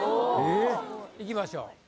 いきましょう